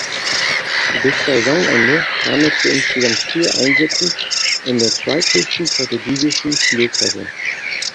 Bis Saisonende kam er zu insgesamt vier Einsätzen in der zweithöchsten portugiesischen Spielklasse.